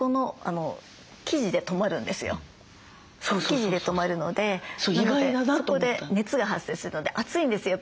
生地で止まるのでなのでそこで熱が発生するんで暑いんですよ